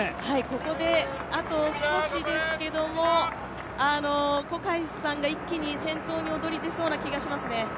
ここであと少しですけども、小海さんが一気に先頭に躍り出そうな気がしますね。